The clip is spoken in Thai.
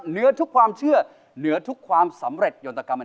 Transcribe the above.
เหนือทุกความเชื่อเหนือทุกความสำเร็จ